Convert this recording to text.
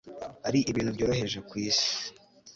ari ibintu byoroheje kwisi